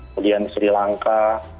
kemudian sri lanka